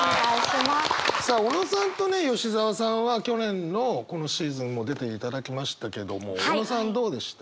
さあ小野さんとね吉澤さんは去年のこのシーズンも出ていただきましたけども小野さんどうでした？